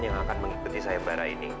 yang akan mengikuti saya mbak ara ini